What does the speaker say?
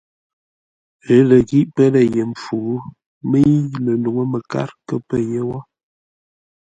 Ə́ lə ghí pə́ lə̂ ye mpfu, mə́i ləluŋú məkár kə́ pə̂ yé wó.